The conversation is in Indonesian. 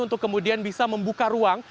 untuk kemudian bisa membuka ruang